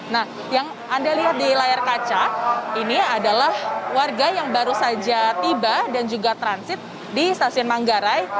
nah yang anda lihat di layar kaca ini adalah warga yang baru saja tiba dan juga transit di stasiun manggarai